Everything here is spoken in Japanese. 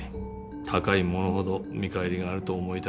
高いものほど見返りがあると思いたがる。